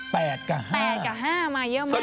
๘กับ๕มาเยอะมากเลย